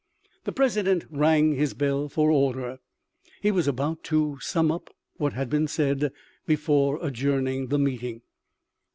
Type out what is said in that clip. The president rang his bell for order. He was about to sum up what had been said, before adjourning the meeting.